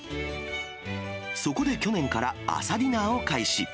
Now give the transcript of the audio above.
そこで去年から朝ディナーを開始。